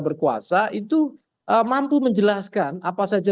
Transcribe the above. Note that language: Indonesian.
berkuasa itu mampu menjelaskan apa saja